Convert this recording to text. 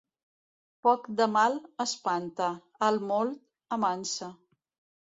Poc de mal, espanta; el molt, amansa.